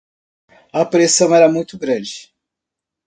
A pressão era muito grande